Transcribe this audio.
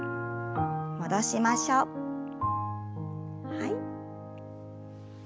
はい。